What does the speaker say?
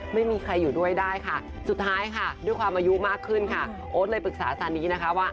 ไม่มีใครอยู่ด้วยได้ค่ะสุดท้ายค่ะด้วยความอายุมากขึ้นค่ะโอ๊ตเลยปรึกษาซานีนะคะว่า